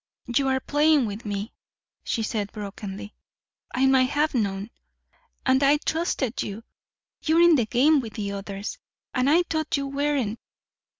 "You're playing with me," she said brokenly. "I might have known. And I trusted you. You're in the game with the others and I thought you weren't.